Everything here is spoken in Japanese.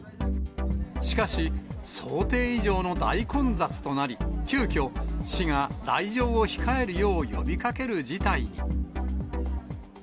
しかし、想定以上の大混雑となり、急きょ、市が来場を控えるよう呼びかける事態に。